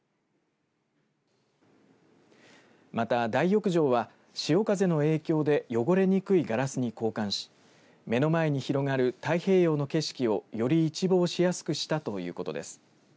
また、大浴場は潮風の影響で汚れにくいガラスに交換し目の前に広がる太平洋の景色をより一望しやすくしたということです。